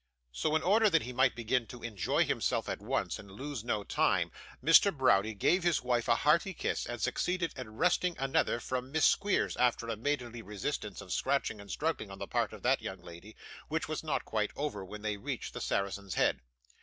So, in order that he might begin to enjoy himself at once, and lose no time, Mr. Browdie gave his wife a hearty kiss, and succeeded in wresting another from Miss Squeers, after a maidenly resistance of scratching and struggling on the part of that young lady, which was not quite over when they reached the Saracen's Head.